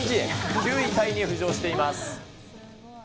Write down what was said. ９位タイに浮上しています。